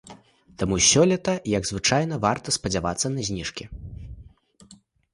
Таму сёлета, як звычайна, варта спадзявацца на зніжкі.